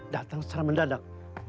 datang secara mendadak